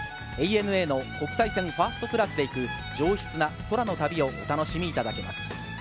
ＡＮＡの国際線ファーストクラスで行く上質な空の旅をお楽しみいただけます。